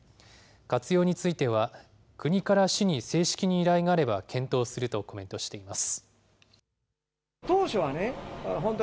活用については、国から市に正式に依頼があれば検討するとコメントしています。